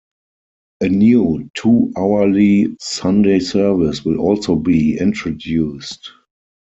A new two-hourly Sunday service will also be introduced.